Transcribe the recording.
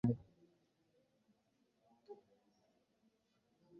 mtu aliyeambukizwa virusi hivyo hatakiwi kumuongezea mtu damu